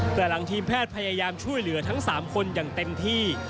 แต่หลังทีมแพทย์พยายามช่วยเหลือทั้ง๓คนอย่างเต็มที่